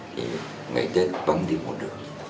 thì ngày tết bắn đi muôn đường